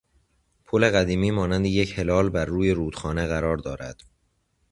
پل قدیمی مانند یک هلال بر روی رودخانه قرار دارد.